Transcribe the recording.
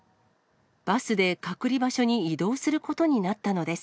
バスで隔離場所に移動することになったのです。